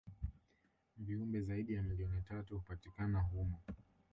viumbe zaidi ya milioni tatu hupatikana humo